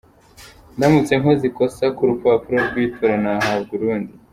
Ndamutse nkoze ikosa ku rupapuro rw’itora, nahabwa urundi?.